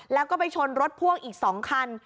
แล้วก็ไปชนรถพ่วงอีก๒คัน